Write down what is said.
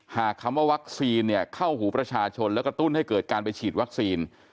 หากคำว่าวัคซีนเนี่ยเข้าหูประชาชนและกระตุ้นให้เกิดการไปฉีดวัคซีน